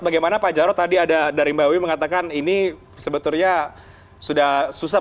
bagaimana pak jarod tadi ada dari mbak wiwi mengatakan ini sebetulnya sudah susah